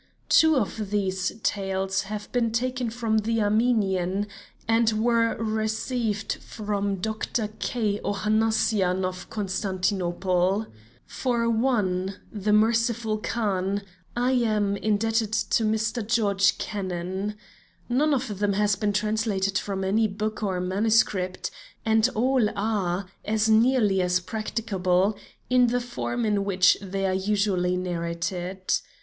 Two of these tales have been taken from the Armenian, and were received from Dr. K. Ohannassian of Constantinople. For one, The Merciful Khan, I am indebted to Mr. George Kennan. None of them has been translated from any book or manuscript, and all are, as nearly as practicable, in the form in which they are usually narrated.